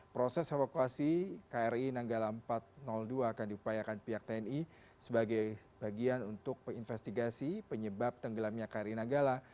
proses evakuasi kri nanggala empat ratus dua akan diupayakan pihak tni sebagai bagian untuk investigasi penyebab tenggelamnya kri nanggala